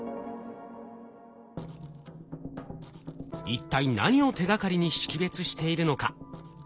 一体何を手がかりに識別しているのか？